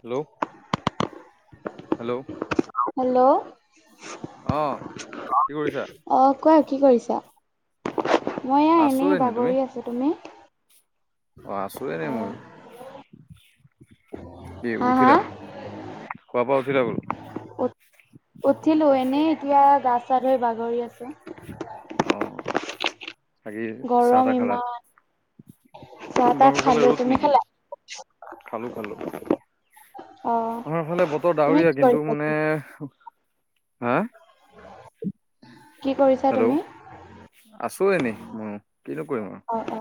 Hello hello hello অঁ কি কৰিছা অ কোৱা কি কৰিছা মই এয়া আছো এনেই এনে তুমি বাগৰি আছো তুমি অ আছো দে ন অ মোৰ ই হা হা উঠিলা খোৱা পোৱা উছিলিৰ আাগলো উ উঠিলো এনেই এতিয়া গা চা ধৰি বাগৰি আছো অ বাকে গৰম চাহটাা খেলা ইমান চাহ তাহ নগ হাললে খালো। ৰ'দ তুমি নেকি খালা? খালো খালো অ আমাৰ ফালে বতৰ তুমি ডাৱৰীয়া কি কিন্তু কৰিছা? মানে হা উ হেল্ল' আছোঁ এনেই মই কিনকৰিম আৰু অ অ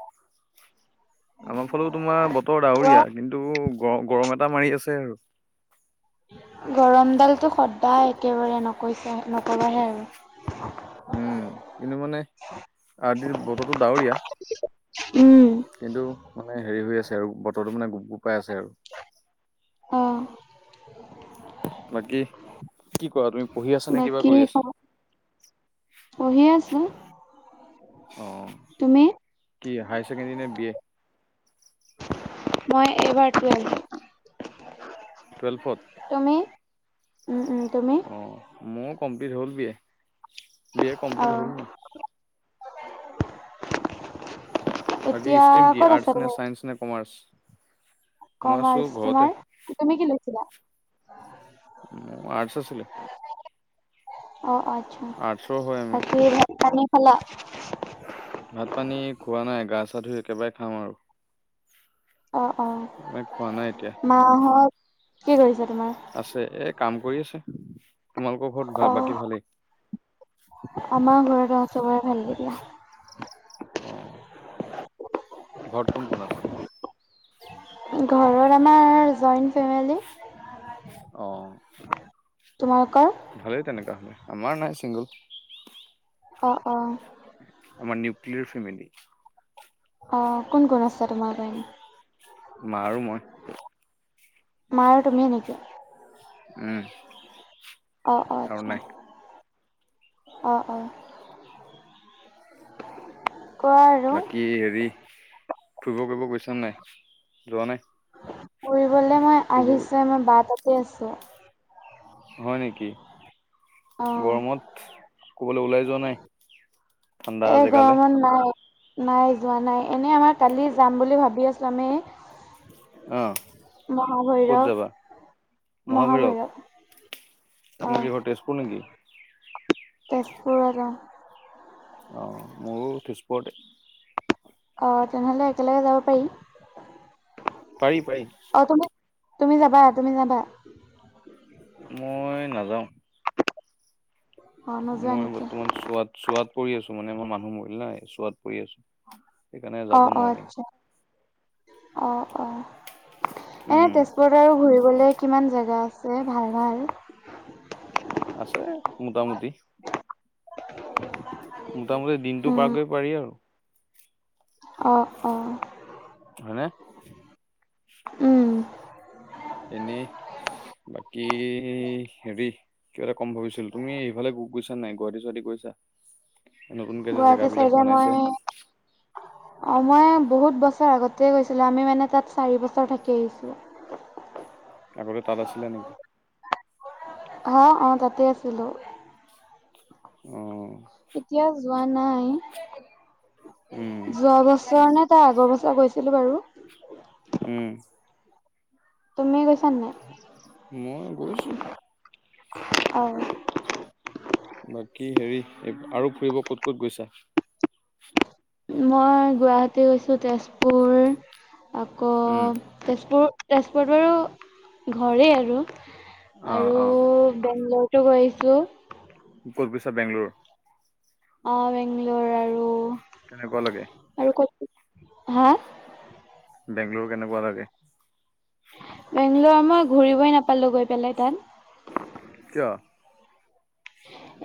আমাৰ ফালেও তোমাৰ বতৰ কোৱা ডাৱৰীয়া কিন্তু গ গৰম এটা মাৰি আছে আৰু গৰমডালটো সদায় একেবাৰে নকৈছে নকবাহে আৰু উম কিন্তু মানে আদ বতৰটো ডাৱৰীয়া উম কিন্তু মানে হেৰি হৈ আছে আৰু বতৰটোো মানে গোপ গোপাই আছে আৰু অঁ বাকী কি কোৱা তুমি পঢ়ি আছা নে কিবা কৰি আছা চহি আছো অ তুমি কি হায়াৰ ছেকেণ্ডাৰী নে বি এ মই এবাৰটো আছোঁ টুৱেলভত তুমি উম উম তুমি? অ মোৰ কমপ্লিট হ'ল বিয় বিয় কমপ্লিট অ হ'ল মোৰ বাকী এতিয়া ষ্ট্ৰ্ৰীম কি ক'ত আৰ্টচ আছা নে তুমি? চাইন্স নে কমাৰ্চ মই আছোঁ কমাৰ্চ ঘৰতে তোমাৰ তুমি কি লৈছিলা মোৰ আঠছ আছিলে অ আচ্ছা আৰ্টছৰ হয় আমি বাকীান খালা ভাত পানী খোৱা নাই গা চা ধুই একেবাৰে খাওঁ আৰু অঁ মানে খোৱা নাই এতিয়া অঁ মাহত কি কৰিছে তোমাৰ আছে এ কাম কৰি আছে তোমালোকৰ ঘৰত ভ অ', বাকী ভালেই আমাৰ ঘৰৰত চবৰে ভালক দিয়া অ ঘৰ কোন কোন আছে ঘৰ আমাৰ জইণ্ট ফেমিলি অ তোমালোকৰ ভালেই তেনেককাা হলে আমাৰ নাই চিংগল অঁ অঁ আমাৰ নিউক্লিয়াৰ ফেমিলি অ কোন কোন আছে তোমাৰী মাৰোঁ মই মাৰ তুমিয়ে নেকি উ অ অ আচ্ছা অঁ অ কোৱা আৰু। বাকী হেৰি থব কৰিব কৈছনে নাই যোৱা নাই ফুৰিবলে মই ফুৰিব আহিছে মই বাৰ তাতে আছো হয় নেকি অ'। গৰমত কবলৈ ওলাই যোৱা নাই ঠাণ্ডা এই জেগালৈ গৰমত নাই নাই যোৱা নাই এনেই আমাৰ কালি যাম বুলি ভাবি আছোঁ আমি অ ক'ত মহাভৈৰৱ যাবা মহাভৈৰৱ অ তম কি ঘৰটজপুৰ নেকি তেজপুৰ আৰু অঁ মোৰো তেজপুৰত অঁ তেনেহ'লে একেলগে যাব পাৰি পাৰি পাৰি অ তুমি তুমি যাবা তুমি যাবা মই নাযাওঁ অ নোযোৱা মই নেকি বৰ্তমান চোৱাত চোৱাত পৰি আছো মানে মই মানুহ মৰিল নাই চোৱাত পৰি আছো। সেইকাৰণে অ যাব অ নোৱাৰিম আচ্ছা অ অ এনে উম তেজপুৰত আৰু ঘুৰিবলে কিমান জেগা আছে ভাল ভাল। আছে মোটামুটি মোটামুটি দিনটো উম পাৰকৈ পাৰি। আৰু অ অ হনে উম এনেই বাকী হেৰি কিব এটা কম ভিছিলো তুমি এইফালে গ গৈছা নাই গুৱাহাটী চুৱাহাট গৈছা। নতুনকে যে গুৱাহাটী জেগাবলাক চাইডে বনাইছে। মই অ মই বহুত বছৰ আগতে গৈছিলো আমি মানে তাত চাৰি বছৰ থাকি আহিছো। আগতে তাত আছিলে নেকি? অ অ তাতে আছিলো। উম এতিয়া যোৱা নাই উম যোৱা বছৰ নে। এটা আগৰ বছৰ গৈছিলো। বাৰু উম তুমি গৈছা নাই। মই গৈছো। অ বাকী হেৰি আৰু ফুৰিব ক'ত ক'ত গৈছা। মই গুৱাহাটী গৈছো তেজপুৰ আকৌ- উম তেজপুৰ তেজপুৰত বাৰু ঘৰেই আৰু অঁ আৰু অঁ বেংলৰতো গৈ আহিছো। কতগৈছা বেংগলোৰ। অ বেংলোৰ আৰু- তেনেকুৱা লাগে। আৰু কত হা বেংগলোৰ কেনেকুৱা লাগে। বেংগলৰ মই ঘূৰিবই নাপালোঁ গৈ পেলাই তাত- কিয়?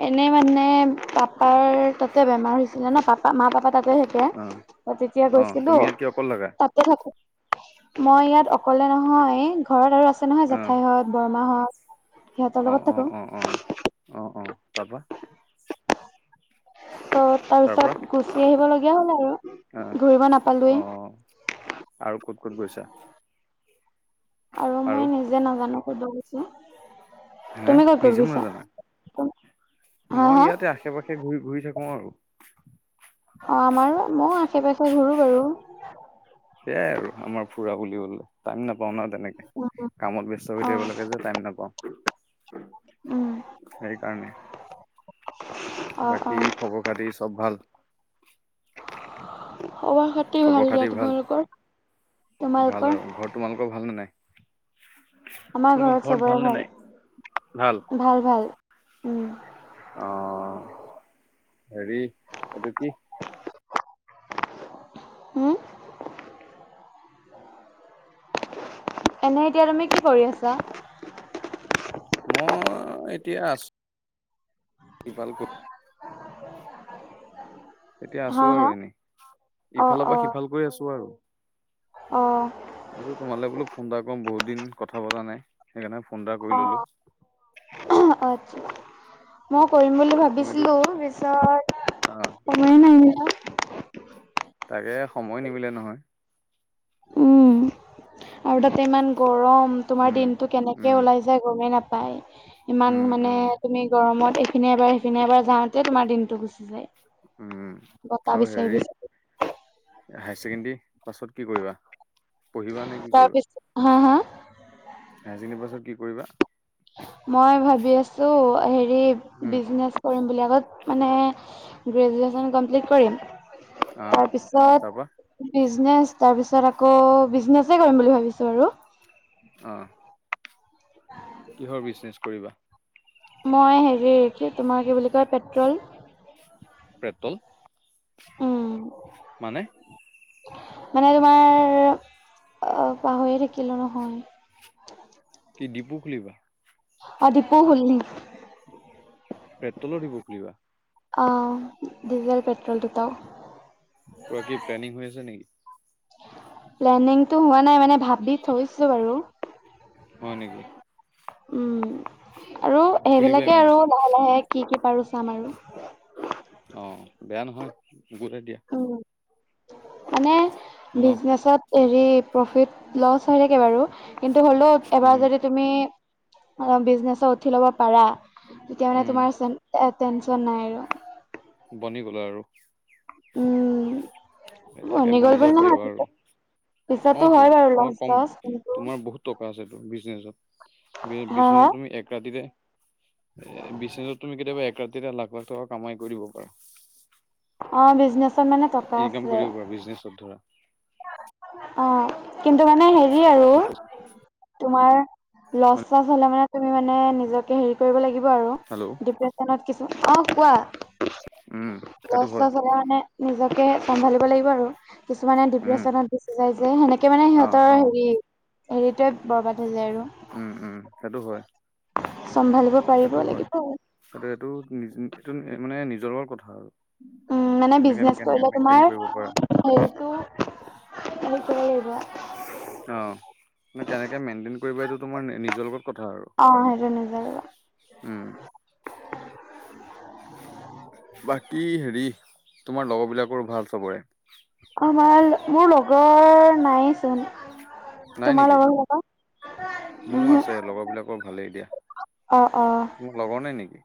এনেই মানে পাপাৰ তাতে বেমাৰ হৈছিলে ন পাপা মা পাপা। তাতে সেতে অঁ তেতিয়া অঁ গৈছিলো তুমি ইয়াত কিয় অকল লাগা? তাত মই ইয়াত অকলে নহয়। ঘৰত আৰু আছো। আছে নহয় জেঠাই হত বৰমাহত- অ অ অ অ অ অ তাৰ পা ত তাৰপিছত গুচি আহিব লগগীয়া হ'ল আৰু ঘূৰিব আহ নাপালোৱেই অ আৰু ক'ত ক'ত গৈছা। আৰু মই নিজে নাজানো কলৈ গৈছো। হা তুমি ক'ত ক'ত নিজেও গৈছা নাজানা। হা মই হা ইয়াতে আশে পাশে ঘূৰি ঘূৰি থাকো। আৰু অ আমাৰো ময় আশে পাশে ঘূুৰো। বাৰু সেয়াই আৰু আমাৰ ফুৰা বুলি বলে টাইম নাপাও ন। তেনেকে কামত ব্যস্ত হৈ অ থাকিব লাগে যে টাইম নাপাওঁ, উম সেইকাৰণে। [inaudible] অ অ বাকী খবৰ খাতি চব ভাল। খবৰ খাতি ভাল দিয়া তোমালোকৰ ভাল তোমালোকৰ। আৰু ঘৰত তোমালোকৰ ভালনে নাই আমাৰ তোমালোকৰ ঘৰত চবৰে ভালনে ভাল নাই ভাল। ভাল ভাল উম, অ হেৰি এইটো কি। হম, এনেই এতিয়া তুমি কি কৰি আছা। মই এতিয়া আছো কৰ, এতিয়া হা আছো হা আৰু এনে অ ইফালৰ পৰা সিফাল কৰি আছো আৰু অঁ ময়ো তোমালে বোলো ফোন এটা কম বহুত দিন কথা পতা নাই সেইকাৰণে ফোন এটা কৰি অ ললো। আচ্ছা মই কৰিম বুলি তুমিতো ভাবিছিলো তা অ পিছত তুমি মাৰি দিলা। তাকে সময় নিবিলে নহয়। উম আৰু তাতে ইমান গৰম তোমাৰ উম দিনতটো কেনেকে উম ওলাইছে, গৰমেই নাপায় ইমান উম মানে উম তুমি গৰমত। সফিননে এবাৰ সিনে এবাৰ যাওঁতে তোমাৰদিনটো গুচি যায়। উম বতাহ আৰু বিচাৰি হেৰি। বিচাৰি হায়াৰ ছেকেণ্ডৰী পাছত কি কৰিবা পঢ়িবা নেকি। তাৰপিছত হা হা, হাই ছেকেণ্ডাৰী পাছত কি কৰিবা। মই ভাবি আছো হেৰি উম বিজনেচ। কৰিম বুলি আগত মানে গ্ৰেজুৱেশ্যন কমপ্লিট কৰিম। আহ তাৰ তাৰপা পিছত, বিজনেচ তাৰ পিছত আকৌ বিজনেছে কৰিম বুলি ভাবিছো আৰু অ কিহৰ বিজনেচ কৰিবা। মই হেৰি তোমাৰ কি বুলি কয় পেট্ৰল, পেট্ৰল, উম মানে, মানে তোমাৰ পাহৰিয়ে থাকিলো নহয়। কি ডিপু খুলিবা। অ ডিপু খুলিম, পেট্ৰলৰ ডিফু খুুলিবা, অঁ ডিজেল পেট্ৰল দুটাই, কিবৰা কি প্লেনিং হৈ আছে নেকি। প্লেনিংতটো হোৱা নাই মানে ভাবি থৈছো বাৰু, হয় নেকি। উম আৰু খুলিবাই সেইবিলাকে মানে আৰু লাহে লাহে কি কি পাৰো চাম আৰু অ বেয়া নহয় গোলে দিয়া। উম মানে ন বিজনেচত, হেৰি প্ৰফিট লছ হৈ থাকে বাৰু, কিন্তু হ'লেও এবাৰ উম যদি তুমি অঁ বিজনেচ উঠি ল'ব পাৰা, তেতিয়া মানে উম তোমাৰ চ এ টেনশ্যন নাই আৰু। বনি গলা আৰু উম, একে গ'ল বনি যাব বুলি নহয় পাৰিবা আৰু। পিছত পিছতো অঁ তো হয় বাৰু তোমাৰ লছ কম চছ কিন্তু তোমাৰ বহুত টকা আছে টো বিজনেচত, হা হা বিজনেচত তুমি এক ৰাতিতে এ বিজ তুমি কেতিয়াবা এক ৰাতিৰে লাখ লাখ টকা কমাই কৰি দিব পাৰা। অঁ বিজনেছত মানে টকা আছে। বিজনেছত ধৰা। অঁ, কিন্তু মানে হেৰি আৰু। তোমাৰ লচ চছ হলে মানে তুমি মানে নিজকে হেৰি কৰিব লাগিব আৰু। হেল্ল' ডিপ্ৰেচেনত কিছুমান অঁ কোৱা উম সেইটো লছ হয় চচ হলে মানে নিজকে চম্ভালিব লাগিব আৰু, কিছুমানে উম ডিপ্ৰেচনত গুছি যায় যে সেনেকে মানে অ সিহঁতৰ অ হেৰি হেৰিটোৱে বৰবাদ হৈ যায় আৰু। উম উম সেইটো হয়। চম্ভালিব পাৰিব সেইটো হয় লাগিব আৰু সেটো এইটো এইটো মানে নিজৰৰ কথা আৰু। উম, কেনেকে কেনেকে মেইন্তেন কৰিব পাৰা। সেইটো হেৰি কৰিবা। অঁ কেনেকে মেইনটেইন কৰিবা এইটো তোমাৰ নিজৰ লগত কথা আৰু। অঁ সেইটো নিজৰ। উম। বাকী হেৰি তোমাৰ লগৰ বিলাকৰ ভাল চবৰে। অঁ ভাল, মোৰ লগৰ নাইচোন। নাই তোমাৰ নেকি, লগৰ বিলাকৰ? মোৰ উহু, আছে লগৰবিলাকৰ ভালেই দিয়া। অ অ। তোমাৰ লগৰ নাই নেকি?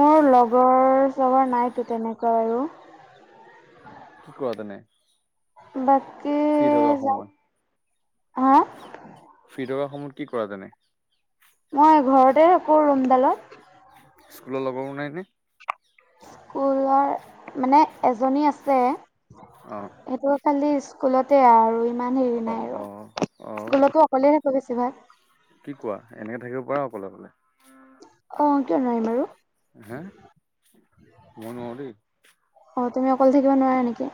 মোৰ লগৰ চগৰ নাইতো তেনেকুৱা আৰু। কি কোৱা তেনে। বাকী ফ্ৰী থকা যা সময়ত হা ফ্ৰী থকা সময়ত কি কৰা তেনে। মই ঘৰতে থাকো ৰুমডালত। স্কুলৰ লগৰ নাইনে? স্কুলৰ মানে এজনী আছে, অ সেইটো খালি স্কুলতে আৰু ইমান হেৰি অ নাই অ অ আৰু স্কুলতো অকলেই থাকো বেছিভাগ। কি কোৱা এনেকৈ থাকিব পাৰা অকলে অকলে। অঁ কিয় নোৱাৰিম বাৰু। হা, মই নোৱাৰো দেই। অঁ তুমি অকললে থাকিব নোৱাৰা নেকি?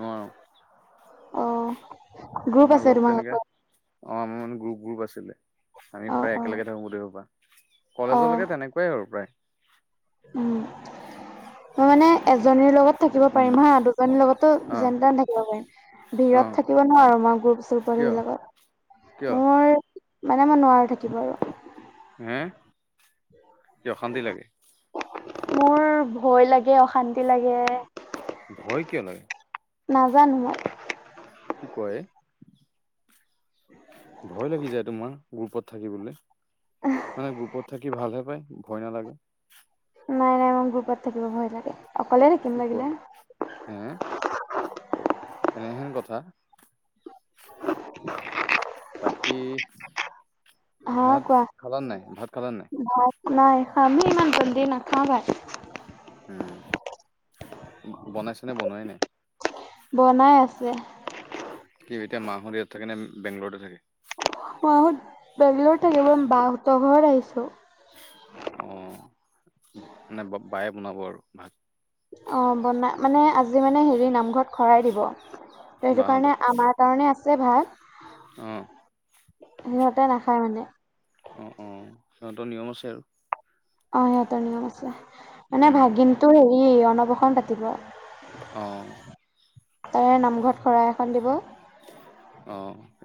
নোৱাৰো। অ গ্ৰুপ আমাৰ আছে লগ তেনেকে তোমালোকৰ? অঁ আমাৰ মানে গ্ৰুপ গ্ৰুপ আছিলে আমি অ প্ৰায় অ একেলগে থাকো গোটেই সোপা। অ। কলেজলৈকে তেনেকুৱাই আৰু প্ৰায়। উম, মই মানে এজনীৰ লগত থাকিব উম পাৰিম হাঁ দুজনীৰ লগতো অ যেন তেন থাকিব পাৰিম। অ ভিৰত থাকিব নোৱাৰো মই গ্ৰুপ শ্ৰূপত কিয় এইবিলাকত। কিয়? মানে মই নোৱাৰোঁ থাকিব আৰু। হে কি অশান্তি লাগে। মোৰ ভয় লাগে অশান্তি লাগে। ভয় কিয় লাগে? নাজানোঁ। কি কয়? ভয় লাগি যায় তোমাৰ গ্ৰুপত থাকিবলৈ মানে গ্ৰুপত থা কি ভালহে পায় ভয় নালাগে। নাই, নাই মোৰ গ্ৰুপত থাকিব ভয় লাগে। অকলে থাকিম কি কোৱা লাগিলে। হে এনেহেন কথা। বাকী। হা ভাত কোৱা খালা নে নাই ভাত খালা নে নাই? ভাত নাই আমি ইমান জল্দি নাখাওঁ ভাত। উম বনাইছেনে বনোৱাই নাই? বনাই আছে। কি এতিয়া মাহঁত ইয়াত থাকে নে বেংগলতে থাকে। মাহঁত বেংগলৰত থাকে মই বাহঁতৰ ঘৰত আহিছোঁ। অহ, [unintelligible] ব-বায়ে বনাব আৰু ভাত। অ' বনা মানে আজি মানে হেৰি নামঘৰত শৰাই দিব। তে সেইটো বাহঁতৰ কাৰণে আমাৰ। কাৰণে আছে ভাত। অহ। সিহঁতে নাখায় মানে। অ' অ' সিহঁতৰ নিয়ম আছে আৰু। অহ, সিহঁতৰ নিয়ম আছে। মানে উম, ভাগিনটোৰ হেৰি অন্নপ্ৰসন পাতিব। অহ। তাৰে নামঘৰত শৰাই এখন দিব অ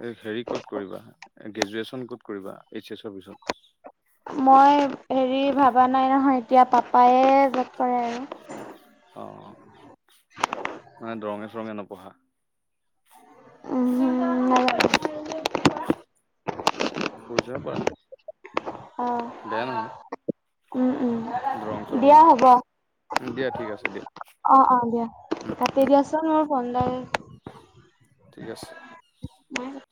এই হেৰি ক'ত কৰিবা গ্ৰেজুৱেচন ক'ত কৰিবা এইচ এছৰ পিছত? মই হেৰি ভাবা নাই নহয় এতিয়া পাপায়ে যত কৰে আৰু। অ মানে দৰঙে চৰঙে নপঢ়া? উম। [unintelligible] পইচা পা। অহ, উম, উম। দৰং চৰঙো দিয়া হ'ব, উম, দিয়া ঠিক আছে দিয়া অ, অ' দিয়া উম, কাটি উম দিয়া চ [unintelligible] মোৰ ভাল লাগে। ঠিক আছে। [unintelligible]